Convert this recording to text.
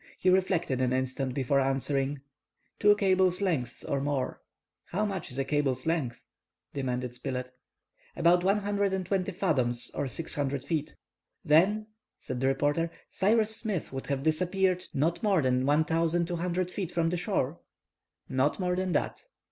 He reflected an instant before answering:— "Two cables' lengths or more." "How much is a cable's length?" demanded Spilett. "About 120 fathoms, or 600 feet." "Then," said the reporter, "Cyrus Smith would have disappeared not more than 1,200 feet from the shore?" "Not more than that."